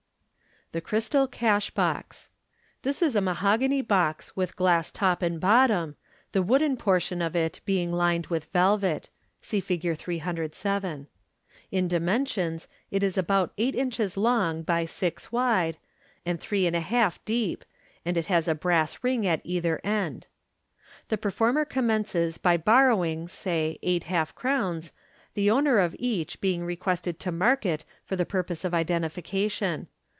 Fig. 306. The Crystal Cash Box. — This is a mahogany box witn glass MODERN MAGIC, top and bottom, the wooden portion of it being lined with velvet. (See Fig. 307.) In dimensions it is about eight inches long, by six wide, and three and a half deep, and it has a brass ring at either end. The performer commences by borrowing (say) eight half crowns, the owner of each being requested to mark it for the purpose of identification.